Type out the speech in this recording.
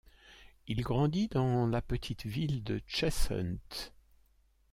Il grandit dans la petite ville de Cheshunt.